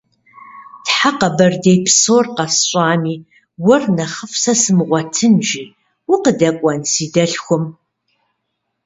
Тхьэ, Къэбэрдей псор къэсщами, уэр нэхъыфӏ сэ сымыгъуэтын!- жи. - Укъыдэкӏуэн си дэлъхум?